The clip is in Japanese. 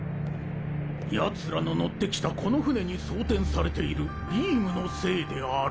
ヤツらの乗ってきたこの船に装てんされているビームのせいである。